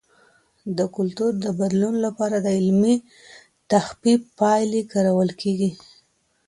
د کلتور د بدلون لپاره د علمي تحقیق پایلې کارول کیږي.